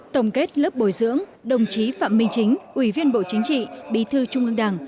tổng kết lớp bồi dưỡng đồng chí phạm minh chính ủy viên bộ chính trị bí thư trung ương đảng